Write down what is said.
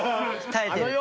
耐えてる。